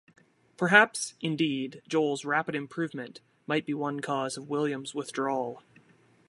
Perhaps, indeed, Joel's rapid improvement might be one cause of William's withdrawal.